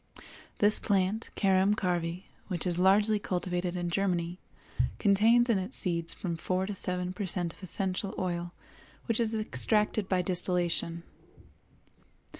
This plant, Carum Carvi, which is largely cultivated in Germany, contains in its seeds from four to seven per cent of essential oil which is extracted by distillation.